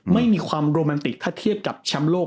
ไม่มีความโรแมนติกถ้าเทียบกับแชมป์โลก